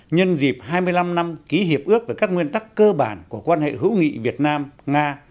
nhân dịp hai mươi năm năm ký hiệp ước về các nguyên tắc cơ bản của quan hệ hữu nghị việt nam nga